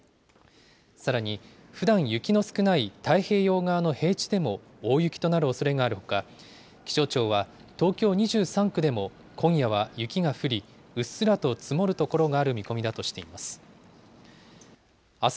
さらに、ふだん雪の少ない太平洋側の平地でも大雪となるおそれがあるほか、気象庁は、東京２３区でも今夜は雪が降り、うっすらと積もる所がある見込みだとしています。